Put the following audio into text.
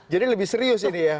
jadi lebih serius ini ya